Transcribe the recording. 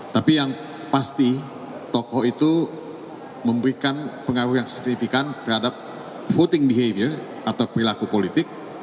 tapi yang pasti tokoh itu memberikan pengaruh yang signifikan terhadap voting behavior atau perilaku politik